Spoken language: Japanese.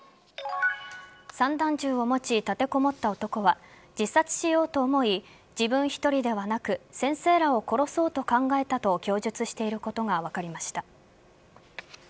散弾銃を持ち立てこもった男は自殺しようと思い自分１人ではなく先生らを殺そうと考えたと供述していることが分かりました。